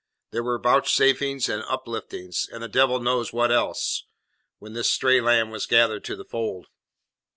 There were vouchsafings and upliftings, and the devil knows what else, when this stray lamb was gathered to the fold."